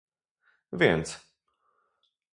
Więc